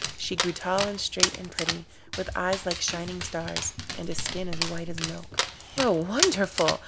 She grew tall and straight and pretty, with eyes like shining stars, and a skin as white as milk. 'Oh, wonderful!